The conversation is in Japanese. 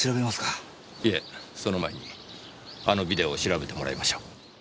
いえその前にあのビデオを調べてもらいましょう。